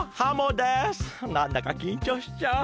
なんだかきんちょうしちゃう。